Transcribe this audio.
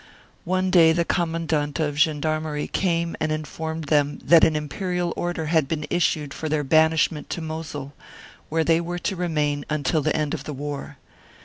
One day the Commandant of Gendarmerie came and informed them that an Imperial Order had been issued for their banish ment to Mosul, where they were to remain until the end of the war.